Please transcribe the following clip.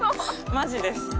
マジです。